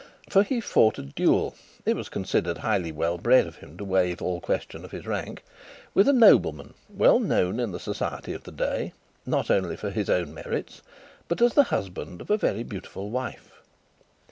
For he fought a duel (it was considered highly well bred of him to waive all question of his rank) with a nobleman, well known in the society of the day, not only for his own merits, but as the husband of a very beautiful wife.